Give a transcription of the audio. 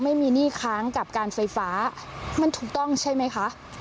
ไม่มีหนี้ค้างกับการไฟฟ้ามันถูกต้องใช่ไหมคะ